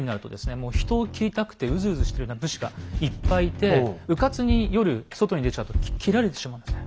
もう人を斬りたくてうずうずしてるような武士がいっぱいいてうかつに夜外に出ちゃうと斬られてしまうんですね。